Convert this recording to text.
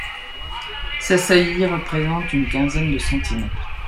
Sa saillie représente une quinzaine de centimètres.